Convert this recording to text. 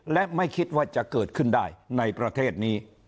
และไม่คิดว่าจะเกิดขึ้นได้ในประเทศนี้